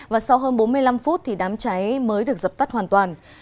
và sau hơn bốn mươi năm phút thì đám cháy mới được dập tắt hoàn toàn